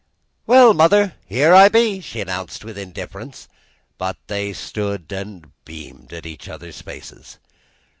"Well, mother, here I be!" she announced with indifference; but they stood and beamed in each other's faces.